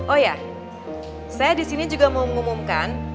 oh ya saya disini juga mau mengumumkan